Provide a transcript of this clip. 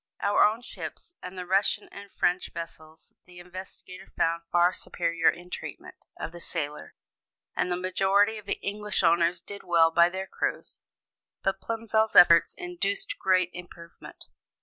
Our own ships and the Russian and French vessels the investigator found far superior in treatment of the sailor: and the majority of English owners did well by their crews; but Plimsoll's efforts induced great improvement.